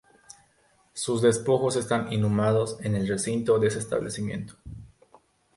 Sus despojos están inhumados en el recinto de ese establecimiento.